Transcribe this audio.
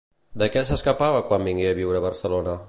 De què s'escapava quan vingué a viure a Barcelona?